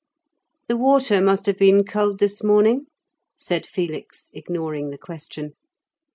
"The water must have been cold this morning?" said Felix, ignoring the question.